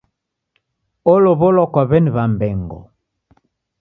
Olow'olwa kwa w'eni Wambengo.